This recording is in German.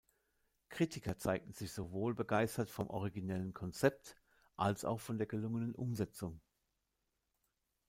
Kritiker zeigten sich sowohl begeistert vom originellen Konzept als auch von der gelungenen Umsetzung.